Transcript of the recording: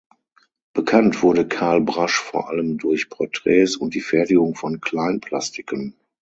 Bekannt wurde Carl Brasch vor allem durch Porträts und die Fertigung von Kleinplastiken.